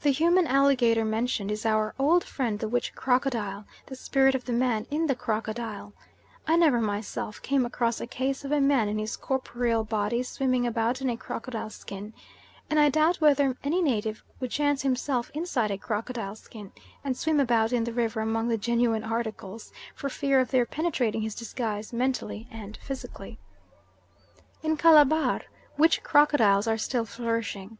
The human alligator mentioned, is our old friend the witch crocodile the spirit of the man in the crocodile. I never myself came across a case of a man in his corporeal body swimming about in a crocodile skin, and I doubt whether any native would chance himself inside a crocodile skin and swim about in the river among the genuine articles for fear of their penetrating his disguise mentally and physically. In Calabar witch crocodiles are still flourishing.